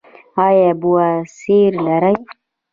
ایا بواسیر لرئ؟